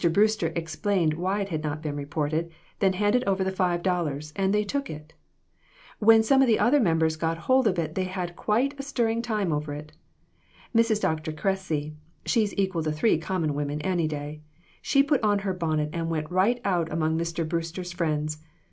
Brewster explained why it had not been reported, then handed over the five dollars, and they took it ! When some of the other mem bers got hold of it they had quite a stirring time over it. Mrs. Dr. Cressy she's equal to three common women any day she put on her bonnet and went right out among Mr. Brewster's friends.